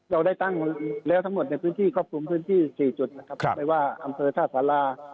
เราได้ตั้งแล้วทั้งหมดในพื้นที่ครอบคลุมพื้นที่๔จุดนะครับไม่ว่าอำเภอท่าสารา